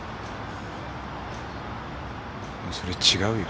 お前それ違うよ。